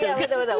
iya betul betul